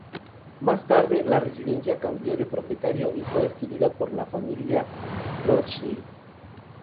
Más tarde, la residencia cambió de propietario y fue adquirida por la familia Rothschild.